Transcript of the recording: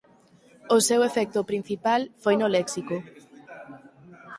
O seu efecto principal foi no léxico.